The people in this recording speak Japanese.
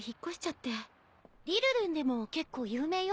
りるるんでも結構有名よ。